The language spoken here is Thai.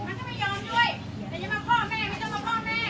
ฉันก็ไม่ยอมด้วยแต่อย่ามาพ่อแม่ไม่ต้องมาพ่อแม่